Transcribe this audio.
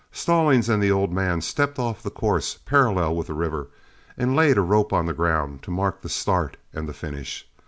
Stallings and the old man stepped off the course parallel with the river, and laid a rope on the ground to mark the start and the finish.